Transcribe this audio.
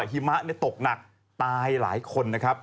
หิมะตกหนักตายหลายคน